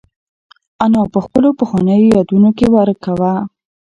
انا په خپلو پخوانیو یادونو کې ورکه وه.